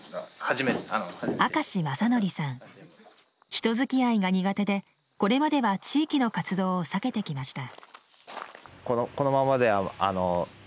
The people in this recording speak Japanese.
人づきあいが苦手でこれまでは地域の活動を避けてきました。